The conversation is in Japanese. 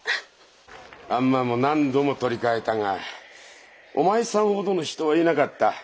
あんまも何度も取り替えたがお前さんほどの人はいなかった。